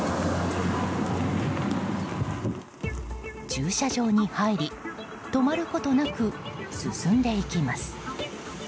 駐車場に入り止まることなく進んでいきます。